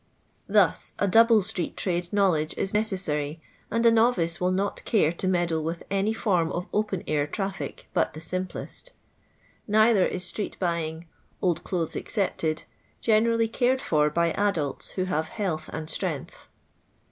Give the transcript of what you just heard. Thus a double street trade knowledge is necesKiry, and a novice will not care to meddle with any form of open air traffic but the simplest. Neither is street buying (old x:Iothcs excepted) generally cared for by adults who have health and strength.